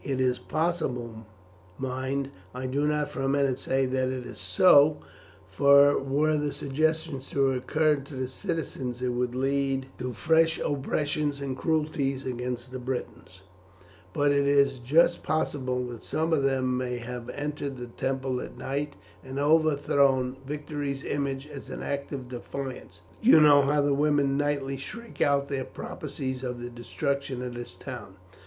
It is possible mind, I do not for a moment say that it is so, for were the suggestion to occur to the citizens it would lead to fresh oppressions and cruelties against the Britons but it is just possible that some of them may have entered the temple at night and overthrown Victory's image as an act of defiance. You know how the women nightly shriek out their prophecies of the destruction of this town."